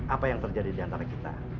apa yang terjadi di antara kita